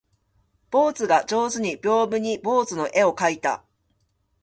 坊主が上手に屏風に坊主の絵を描いた